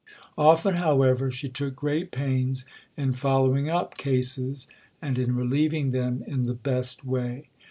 Often, however, she took great pains in following up "cases," and in relieving them in the best way.